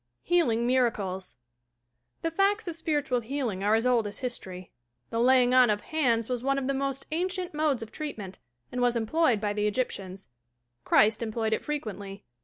"healing miracles" The facts of spiritual healing are as old as history. The "laying on of hands" was one of the most an cient modes of treatment, and was employed by the Egyptians. Christ employed it frequently.